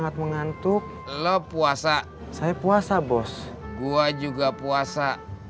aku juga puasa